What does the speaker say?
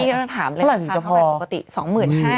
เมื่อกี้ก็ต้องถามเลยค่ะถ้าเท่าไหร่ปกติ๒๕๐๐๐บาท